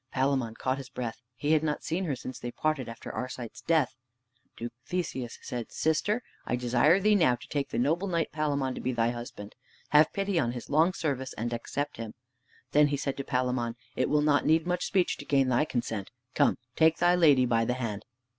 Palamon caught his breath. He had not seen her since they parted after Arcite's death. Duke Theseus said, "Sister, I desire thee now to take the noble knight Palamon to be thy husband. Have pity on his long service, and accept him." Then he said to Palamon, "It will not need much speech to gain thy consent! Come, take thy lady by the hand."